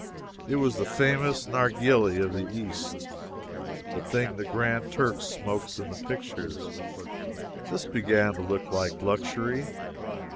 It was the famous "narghili" of the East the thing the Grand Turk smokes in the pictures. This began to look like luxury.